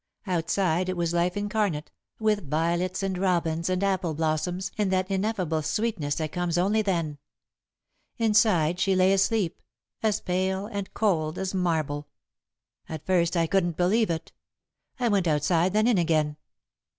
Outside, it was life incarnate, with violets and robins and apple blossoms and that ineffable sweetness that comes only then. Inside, she lay asleep, as pale and cold as marble. At first, I couldn't believe it. I went outside, then in again.